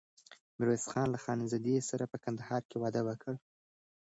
ميرويس خان له خانزادې سره په کندهار کې واده وکړ.